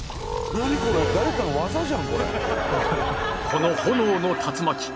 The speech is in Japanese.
この炎の竜巻